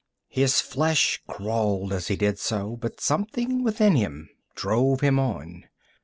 His flesh crawled as he did so, but something within him drove him on.